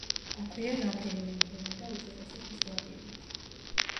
აქვეა რამდენიმე მღვიმე და უძველესი ქვის ლაბირინთი.